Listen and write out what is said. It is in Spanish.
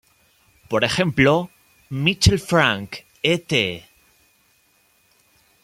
Por ejemplo, Michael Frank et.